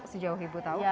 sejauh ibu tahu